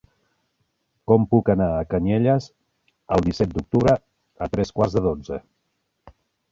Com puc anar a Canyelles el disset d'octubre a tres quarts de dotze?